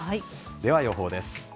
では予報です。